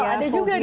ada juga di sini